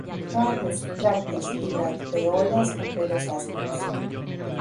Radios, brácteas y bracteolas con pelos ásperos.